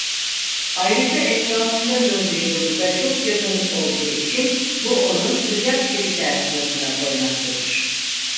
Ayrıca etrafında döndüğü yıldıza çok yakın olduğu için bu onu Sıcak Jüpiter sınıfına koymaktadır.